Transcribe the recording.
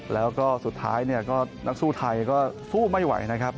แล้วก็สุดท้ายเนี่ยก็นักสู้ไทยก็สู้ไม่ไหวนะครับ